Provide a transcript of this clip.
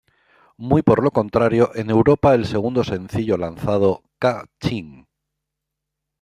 Muy por lo contrario en Europa el segundo sencillo lanzado "Ka-Ching!